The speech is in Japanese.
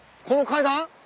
この階段？